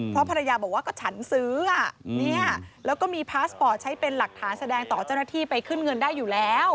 เพราะภรรยาบอกว่าก็ฉันซื้อแล้วก็มีพาสปอร์ตใช้เป็นหลักฐานแสดงต่อเจ้าหน้าที่ไปขึ้นเงินได้อยู่แล้ว